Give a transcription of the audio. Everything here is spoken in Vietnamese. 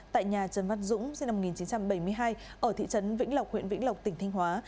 tại nhà trần văn dũng sinh năm một nghìn chín trăm bảy mươi hai ở thị trấn vĩnh lộc huyện vĩnh lộc tỉnh thanh hóa